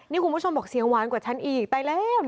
นี่คุณผู้ชมบอกเสียงหวานกว่าฉันอีกตายแล้ว